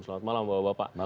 selamat malam bapak bapak